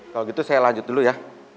kalau gitu saya lanjut dulu ya